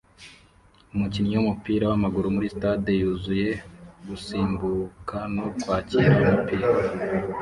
Umukinnyi wumupira wamaguru muri stade yuzuye gusimbuka no kwakira umupira